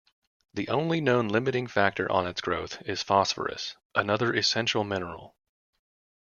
The only known limiting factor on its growth is phosphorus, another essential mineral.